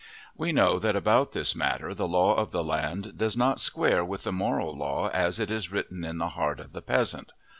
We know that about this matter the law of the land does not square with the moral law as it is written in the heart of the peasant.